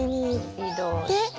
移動して。